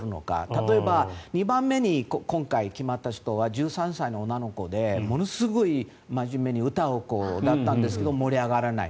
例えば、２番目に今回決まった人は１３歳の女の子でものすごい真面目に歌を歌ったんですけど盛り上がらない。